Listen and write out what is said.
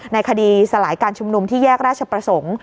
ในคดีสลายการชุมนุมที่แยกราชประสงค์